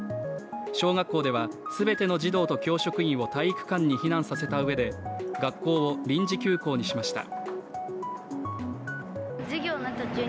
小学校では全ての児童と教職員を体育館に避難させたうえで学校を臨時休校にしました。